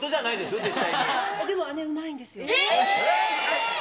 でも、姉、うまいんですよ。えー！